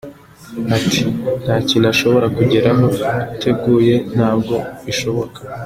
Ati “Nta kintu ushobora kugeraho utateguye, ntabwo bishoboka.